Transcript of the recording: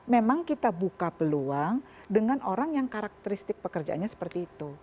memang kita buka peluang dengan orang yang karakteristik pekerjaannya seperti itu